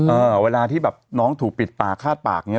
เวลาที่แบบน้องถูกปิดปากฆาตปากอย่างนี้